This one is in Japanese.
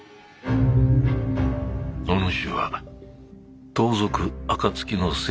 お主は盗賊暁の星